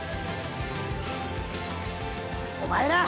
お前ら！